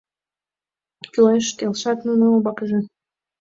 — Кӱлеш, — келшат нуно умбакыже.